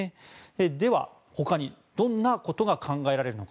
では、ほかにどんなことが考えられるのか。